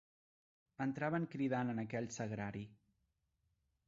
Entraven cridant en aquell sagrari